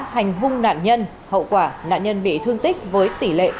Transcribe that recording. hành hung nạn nhân hậu quả nạn nhân bị thương tích với tỷ lệ ba mươi hai